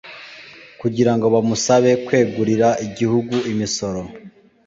kugira ngo bamusabe kwegurira igihugu imisoro